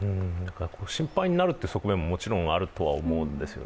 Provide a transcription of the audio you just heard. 心配になるという側面ももちろんあると思うんですね。